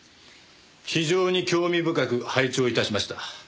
非常に興味深く拝聴致しました。